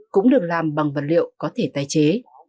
cũng được làm bằng vật liệu có thể tái chế